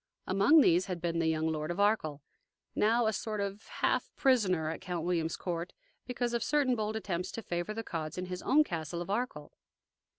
Among these had been the young Lord of Arkell, now a sort of half prisoner at Count William's court because of certain bold attempts to favor the Cods in his own castle of Arkell.